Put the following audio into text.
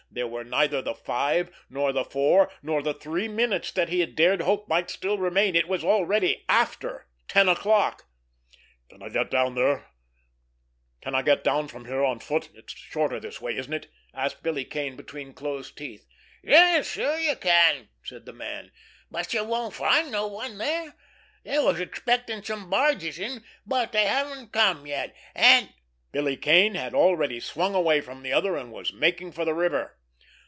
There were neither the five, nor the four, nor the three minutes that he had dared hope might still remain. It was already after ten o'clock! "Can I get down from here on foot—it's shorter this way, isn't it?" asked Billy Kane between closed teeth. "Yes, sure, you can," said the man. "But you won't find no one there. They was expecting some barges in, but they haven't come yet, and——" Billy Kane had already swung away from the other, and was making for the river.